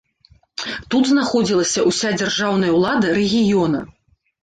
Тут знаходзілася ўся дзяржаўная ўлада рэгіёна.